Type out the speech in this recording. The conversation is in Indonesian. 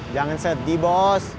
jangan sedih bos